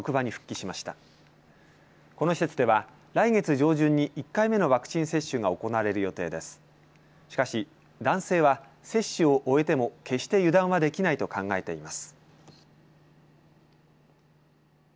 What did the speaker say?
しかし、男性は接種を終えても決して油断はできないと考えています。